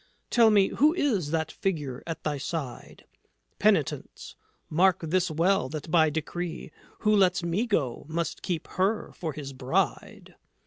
"Tell me; who is that Figure at thy side?" "Penitence. Mark this well that by decree Who lets me go must keep her for his bride.